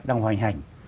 đang hoành hành